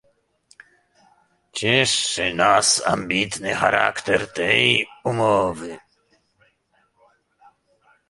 Cieszy nas ambitny charakter tej umowy